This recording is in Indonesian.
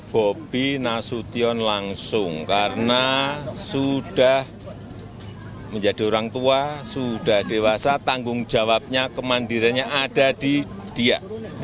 bobi nasution langsung karena sudah menjadi orang tua sudah dewasa tanggung jawabnya kemandiriannya ada di dia